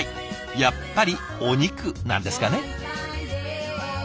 やっぱりお肉なんですかね。